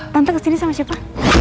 tante kesini sama siapa